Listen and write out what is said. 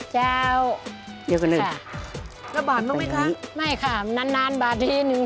เจ้าเยอะกว่านึกใช่แล้วบาดลงไหมคะไม่ค่ะนานนานบาดทีนึง